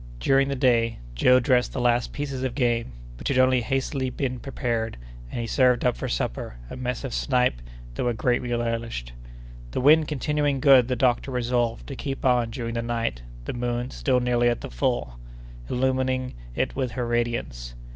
During the day Joe dressed the last pieces of game, which had been only hastily prepared, and he served up for supper a mess of snipe, that were greatly relished. The wind continuing good, the doctor resolved to keep on during the night, the moon, still nearly at the full, illumining it with her radiance.